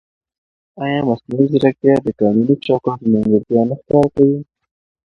ایا مصنوعي ځیرکتیا د قانوني چوکاټ نیمګړتیا نه ښکاره کوي؟